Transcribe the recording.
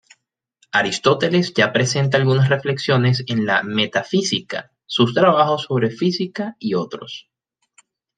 Aristóteles ya presenta algunas reflexiones en la "Metafísica", sus trabajos sobre física y otros.